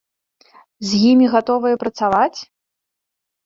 З імі гатовыя працаваць?